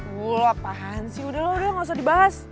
wah apaan sih udah loh udah gak usah dibahas